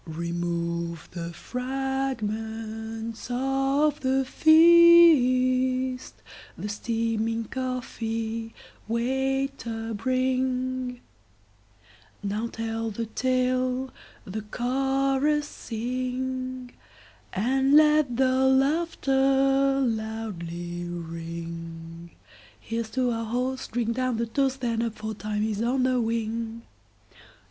Remove the fragments of the feast! The steaming coffee, waiter, bringNow tell the tale, the chorus sing, And let the laughter loudly ring; Here 's to our host, drink down the toast, Then up! for time is on the wing.